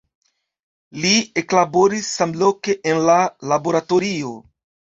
Li eklaboris samloke en la laboratorio.